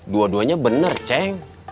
dua duanya bener ceng